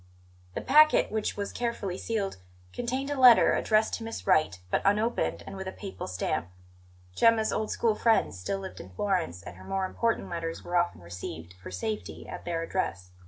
The packet, which was carefully sealed, contained a letter, addressed to Miss Wright, but unopened and with a Papal stamp. Gemma's old school friends still lived in Florence, and her more important letters were often received, for safety, at their address.